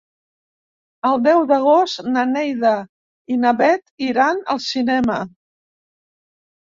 El deu d'agost na Neida i na Bet iran al cinema.